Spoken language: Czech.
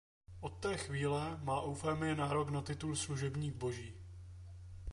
Od té chvíle má Eufemie nárok na titul "Služebník boží".